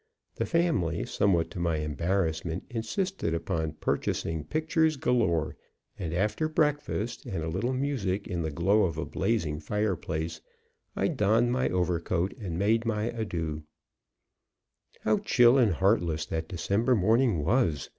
The family, somewhat to my embarrassment, insisted upon purchasing pictures galore, and after breakfast and a little music in the glow of a blazing fireplace, I donned my overcoat and made my adieux. How chill and heartless that December morning was!